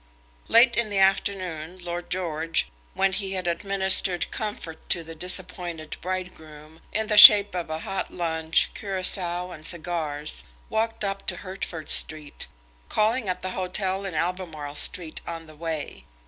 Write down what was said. Late in the afternoon Lord George, when he had administered comfort to the disappointed bridegroom in the shape of a hot lunch, Curaçoa, and cigars, walked up to Hertford Street, calling at the hotel in Albemarle Street on the way.